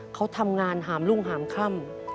เขาทำงานหามรุ่งหามค่ำ